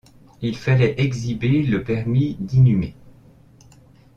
Il fallait exhiber le permis d’inhumer.